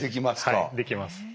はいできます。